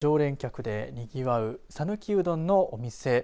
多くの常連客でにぎわう讃岐うどんのお店。